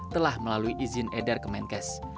telah melalui izin edar kemenkes